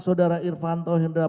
saudara irvan tohendro